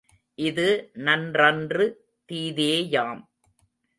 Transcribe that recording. இது நன்றன்று தீதேயாம்.